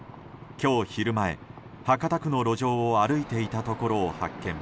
今日昼前、博多区の路上を歩いていたところを発見。